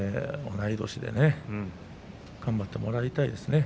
同い年で頑張ってもらいたいですね。